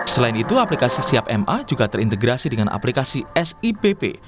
selain itu aplikasi siap ma juga terintegrasi dengan aplikasi sipp